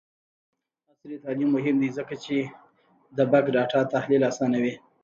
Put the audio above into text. عصري تعلیم مهم دی ځکه چې د بګ ډاټا تحلیل اسانوي.